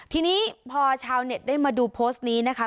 ทีนี้พอชาวเน็ตได้มาดูโพสต์นี้นะคะ